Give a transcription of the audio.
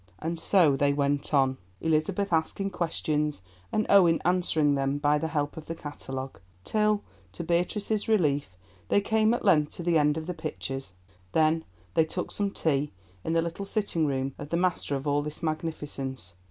And so they went on, Elizabeth asking questions and Owen answering them by the help of the catalogue, till, to Beatrice's relief, they came at length to the end of the pictures. Then they took some tea in the little sitting room of the master of all this magnificence.